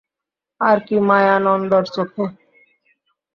আর কী মায়া নন্দর চোখে।